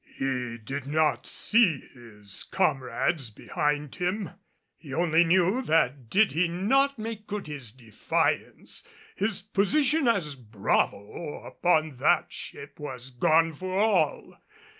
He did not see his comrades behind him; he only knew that did he not make good his defiance, his position as bravo upon that ship was gone for all.